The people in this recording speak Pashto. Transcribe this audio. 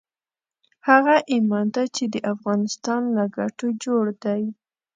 هغه ايمان ته چې د افغانستان له ګټو جوړ دی.